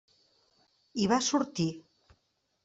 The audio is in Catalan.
I va sortir.